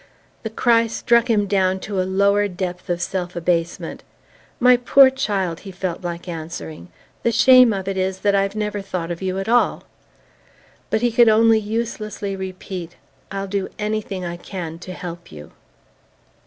The cry struck him down to a lower depth of self abasement. "My poor child," he felt like answering, "the shame of it is that I've never thought of you at all!" But he could only uselessly repeat: "I'll do anything I can to help you."